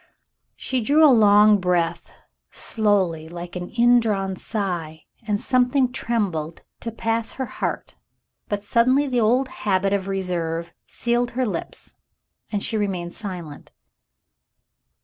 She drew a long breath, slowly, like an indrawn sigh, and something trembled to pass her heart, but suddenly the old habit of reserve sealed her lips and she remained silent.